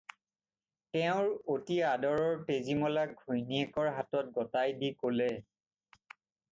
তেওঁৰ অতি আদৰৰ তেজীমলাক ঘৈণীয়েকৰ হাতত গতাই দি ক'লে।